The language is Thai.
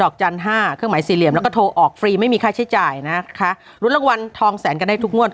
จันห้าเครื่องหมายสี่เหลี่ยมแล้วก็โทรออกฟรีไม่มีค่าใช้จ่ายนะคะรุ้นรางวัลทองแสนกันได้ทุกงวด